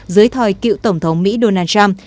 dưới thời cựu tổng thống mỹ donald trump